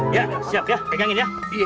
ya siap ya pegangin ya